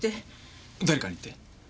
誰かにって？